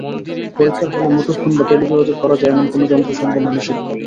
পরীক্ষার হলে মুঠোফোন বা টেলিযোগাযোগ করা যায় এমন কোনো যন্ত্র সম্পূর্ণ নিষিদ্ধ।